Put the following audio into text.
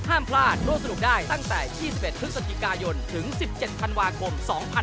ห้ามพลาดร่วมสนุกได้ตั้งแต่๒๑พฤศจิกายนถึง๑๗ธันวาคม๒๕๖๒